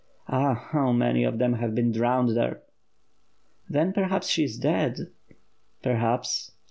Ah, how many of them have been drowned there!" "Then perhaps she i« dead." "Perhaps.'